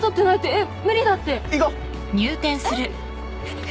えっ？